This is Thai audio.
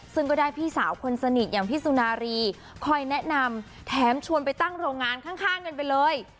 ซึ่งก็ได้พี่สาวคนสนิทอย่างพี่สุนารีคอยแนะนำแถมชวนไปตั้งโรงงานข้างกันไปเลย